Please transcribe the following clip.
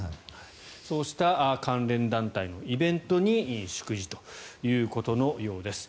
そうした関連団体のイベントに祝辞ということのようです。